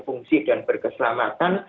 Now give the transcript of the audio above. fungsi dan berkeselamatan